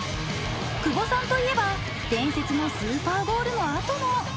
久保さんといえば伝説のスーパーゴールのあとの。